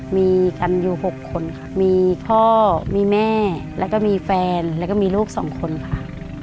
มีกันอยู่๖คนค่ะมีพ่อมีแม่แล้วก็มีแฟนแล้วก็มีลูกสองคนค่ะ